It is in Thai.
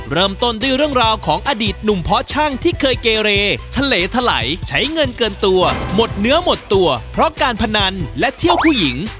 เริ่มต้นด้วยเรื่องราวของอดีตหนุ่มเพาะช่างที่เคยเกเรทะเลทะไหลใช้เงินเกินตัวหมดเนื้อหมดตัวเพราะการพนันและเที่ยวผู้หญิง